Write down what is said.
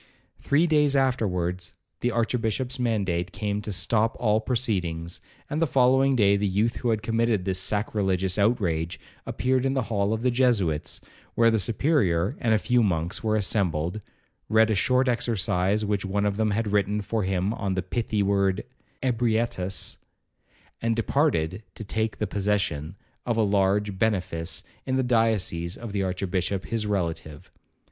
Three days afterwards the archbishop's mandate came to stop all proceedings; and the following day the youth who had committed this sacrilegious outrage appeared in the hall of the Jesuits, where the Superior and a few monks were assembled, read a short exercise which one of them had written for him on the pithy word 'Ebrietas,' and departed to take possession of a large benefice in the diocese of the archbishop his relative.